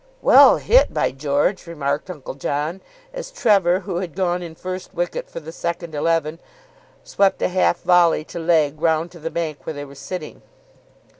"Well hit, by George!" remarked Uncle John, as Trevor, who had gone in first wicket for the second eleven, swept a half volley to leg round to the bank where they were sitting.